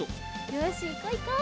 よしいこういこう。